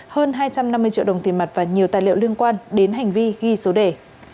hơn hai trăm năm mươi triệu đồng tiền mặt và nhiều tài liệu liên quan đến hành vi ghi số đề